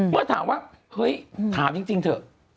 เมื่อถามว่าเฮ้ยถามจริงเถอะ